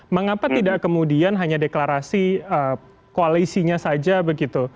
mengapa tidak kemudian hanya deklarasi koalisinya saja begitu